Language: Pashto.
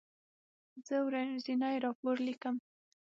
زه ورځنی راپور لیکم.